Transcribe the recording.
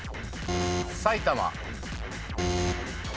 埼玉。